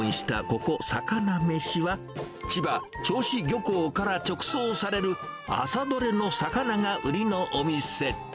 ここ、さかなめしは、千葉・銚子漁港から直送される、朝取れの魚が売りのお店。